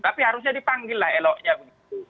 tapi harusnya dipanggil lah eloknya begitu